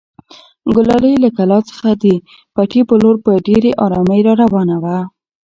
ګلالۍ له کلا څخه د پټي په لور په ډېرې ارامۍ راروانه وه.